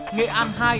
nghệ an hai